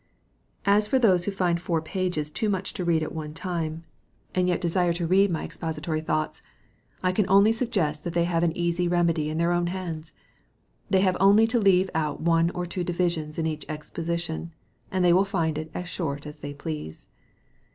As for those who find four pages too much to read at one time, and yet desire to read my Expository PREFACE. V Thoughts, I can oiJy suggest that they hare an easy reme dy in their own hands. They have only to leave out one or two divisions in each exposition, and they will find it as short as they please.